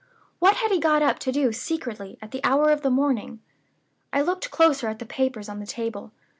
What had he got up to do secretly, at that hour of the morning? I looked closer at the papers on the table.